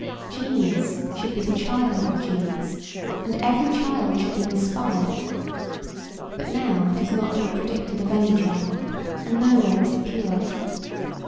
Genius should be the child of genius and every child should be inspired; but now it is not to be predicted of any child, and nowhere is it pure.